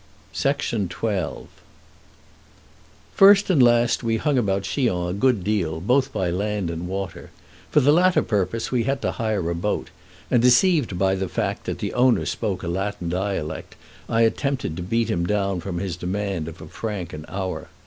[Illustration: One of the Fountains] XII First and last, we hung about Chillon a good deal, both by land and by water. For the latter purpose we had to hire a boat; and deceived by the fact that the owner spoke a Latin dialect, I attempted to beat him down from his demand of a franc an hour.